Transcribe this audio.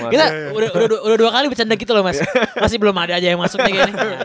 kita udah dua kali bercanda gitu loh masih belum ada aja yang masuknya kayak gini